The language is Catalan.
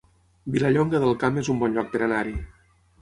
Vilallonga del Camp es un bon lloc per anar-hi